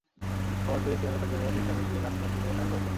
খবর পেয়ে সিয়ামের স্বজনেরা সেখানে গিয়ে লাশ শনাক্ত করে থানায় খবর দেন।